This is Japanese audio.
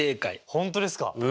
本当ですか！？